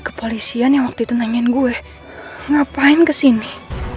kepolisian yang waktu itu nanyain gue ngapain kesini